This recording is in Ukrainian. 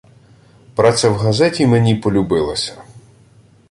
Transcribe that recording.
Праця в газеті мені полюбилася